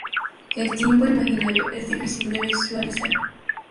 El tiempo imaginario es difícil de visualizar.